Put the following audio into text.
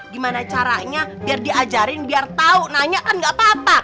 gimana caranya biar diajarin biar tahu nanya kan gak apa apa